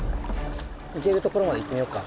行けるところまで行ってみよっか。